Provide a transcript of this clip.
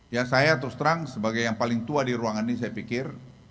ya saya terus terang sebagai yang paling tua di ruangan ini saya pikir